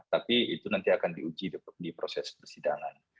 tapi itu nanti akan diuji di proses persidangan